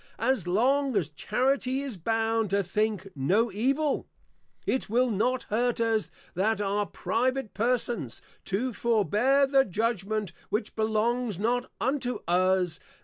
As long as Charity is bound to Think no Evil, it will not Hurt us that are Private Persons, to forbear the Judgment which belongs not unto us.